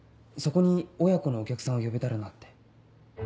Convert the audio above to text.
そこに親子のお客さんを呼べたらなって。